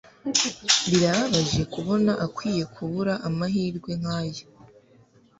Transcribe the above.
Birababaje kubona akwiye kubura amahirwe nkaya.